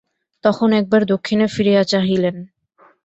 তখন একবার দক্ষিণে ফিরিয়া চাহিলেন।